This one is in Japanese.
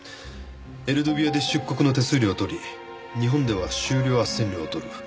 エルドビアで出国の手数料を取り日本では就労斡旋料を取る。